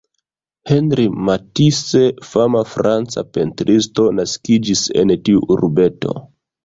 Henri Matisse, fama franca pentristo, naskiĝis en tiu urbeto.